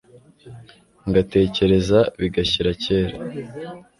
ngatekereza bigashyira kera